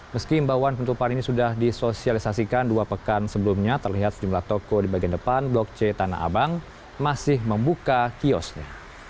meski imbauan penutupan ini sudah disosialisasikan dua pekan sebelumnya terlihat sejumlah toko di bagian depan blok c tanah abang masih membuka kiosnya